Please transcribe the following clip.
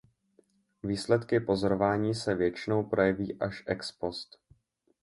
Výsledky pozorování se většinou projeví až ex post.